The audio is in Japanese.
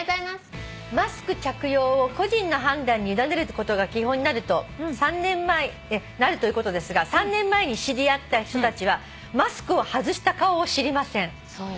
「マスク着用を個人の判断に委ねることが基本になるということですが３年前に知り合った人たちはマスクを外した顔を知りません」